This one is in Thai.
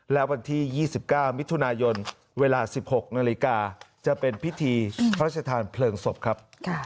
และวันที่๒๙มิถุนายนเวลา๑๖นาฬิกาจะเป็นพิธีพระราชทานเพลิงศพครับ